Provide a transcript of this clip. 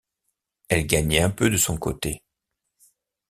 Elle gagnait un peu de son côté.